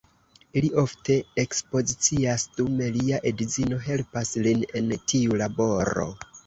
Li ofte ekspozicias, dume lia edzino helpas lin en tiu laboro.